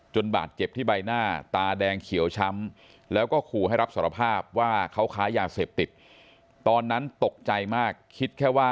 จนบาดเจ็บที่ใบหน้าตาแดงเขียวช้ำแล้วก็คู่ให้รับสรภาพว่าเขาค้ายาเสพติด